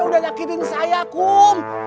udah nyakitin saya kum